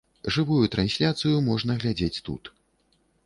Жывую трансляцыю можна глядзець тут.